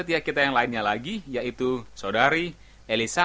di sisinya ada damai